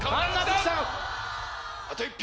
あと１票。